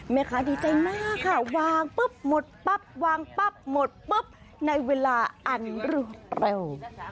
ดีใจมากค่ะวางปุ๊บหมดปั๊บวางปั๊บหมดปุ๊บในเวลาอันรวดเร็ว